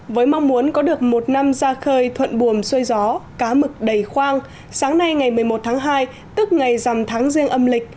với mong muốn có được một năm ra khơi thuận buồm xuôi gió cá mực đầy khoang sáng nay ngày một mươi một tháng hai tức ngày dằm tháng riêng âm lịch